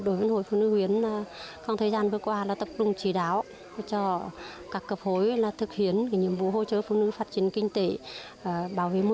từ những hoạt động cụ thể thiết thực và sự chủ động của hội liên hiệp phụ nữ xã kim tiến